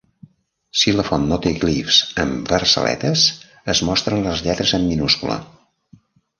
Si la font no té glifs en versaletes, es mostren les lletres en minúscula.